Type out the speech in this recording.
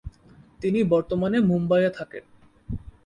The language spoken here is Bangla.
তিনি বর্তমানে মুম্বাইয়ে থাকেন।